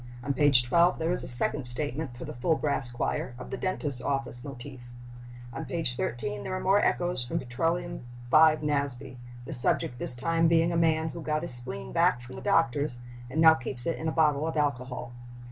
On page 12 there is a second statement, for the full brass choir, of the dentist's office motif. On page 13 there are more echoes from Petroleum V. Nasby, the subject this time being a man "who got his spleen back from the doctor's and now keeps it in a bottle of alcohol."